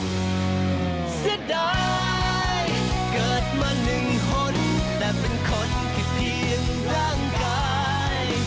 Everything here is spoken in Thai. เสียดายเกิดมาหนึ่งคนแต่เป็นคนผิดเพียงร่างกาย